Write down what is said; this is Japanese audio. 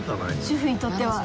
主婦にとっては。